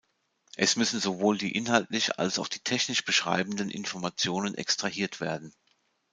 Es müssen sowohl die inhaltlich als auch die technisch beschreibenden Informationen extrahiert werden.